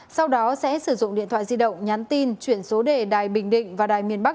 sau đó sẽ sử dụng điện thoại di động nhắn tin chuyển số đề đài bình định và đài miền bắc